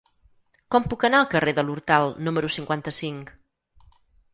Com puc anar al carrer de l'Hortal número cinquanta-cinc?